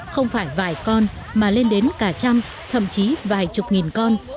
không phải vài con mà lên đến cả trăm thậm chí vài chục nghìn con